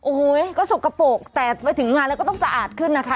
โอ้โหก็สกปรกแต่ไปถึงงานแล้วก็ต้องสะอาดขึ้นนะคะ